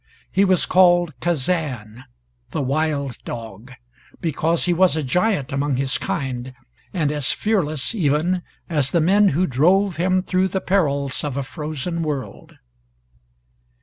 He was called Kazan, the Wild Dog, because he was a giant among his kind and as fearless, even, as the men who drove him through the perils of a frozen world.